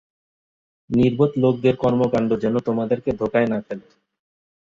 নির্বোধ লোকদের কর্মকাণ্ড যেন তোমাদেরকে ধোকায় না ফেলে।